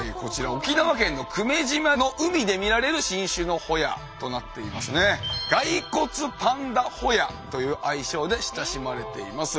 沖縄県の久米島の海で見られる新種のホヤとなっていますね。という愛称で親しまれています。